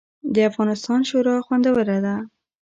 د افغانستان شوروا خوندوره ده